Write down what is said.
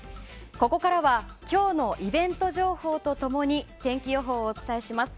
ここからは今日のイベント情報と共に天気予報をお伝えします。